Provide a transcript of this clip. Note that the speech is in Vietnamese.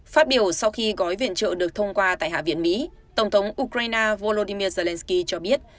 phát biểu sau khi gói viện trợ được thông qua tại hạ viện mỹ tổng thống ukraine volodymyr zelensky cho biết